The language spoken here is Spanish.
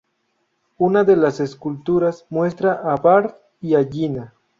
Una de las esculturas muestra a Bart y a Gina.